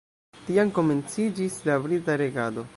Tiam komenciĝis la brita regado.